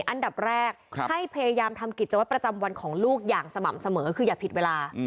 อันดับแรกให้พยายามทำกิจวัตรประจำวันของลูกอย่างสม่ำเสมอคืออย่าผิดเวลา